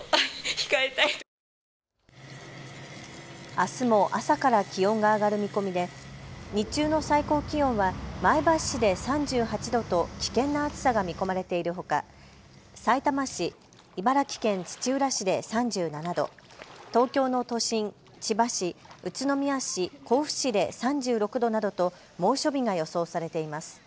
あすも朝から気温が上がる見込みで日中の最高気温は前橋市で３８度と危険な暑さが見込まれているほか、さいたま市、茨城県土浦市で３７度、東京の都心、千葉市、宇都宮市、甲府市で３６度などと猛暑日が予想されています。